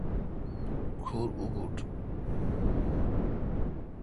کھور اوبوٹھ۔